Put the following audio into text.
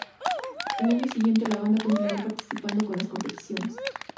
Al año siguiente, la banda continuó participando en las competiciones.